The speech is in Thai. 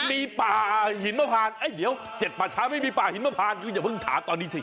มีป่าหินมะพานเดี๋ยว๗ป่าช้าไม่มีป่าหินมะพานคุณอย่าเพิ่งถามตอนนี้สิ